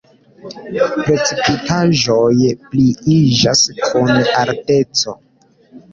Precipitaĵoj pliiĝas kun alteco.